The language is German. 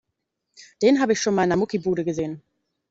Den habe ich schon mal in der Muckibude gesehen.